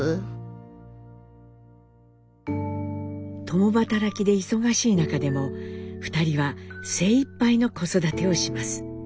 共働きで忙しい中でも２人は精いっぱいの子育てをします。